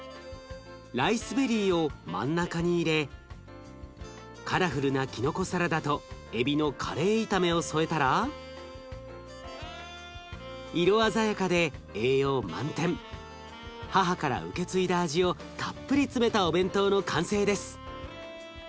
ライスベリーを真ん中に入れカラフルなきのこサラダとえびのカレー炒めを添えたら色鮮やかで栄養満点母から受け継いだ味をたっぷり詰めたお弁当の完成です！